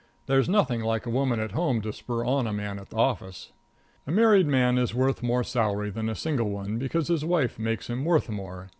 There's nothing like a woman at home to spur on a man at the office. A married man is worth more salary than a single one, because his wife makes him worth more.